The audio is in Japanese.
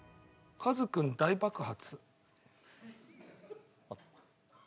カズくん大爆発。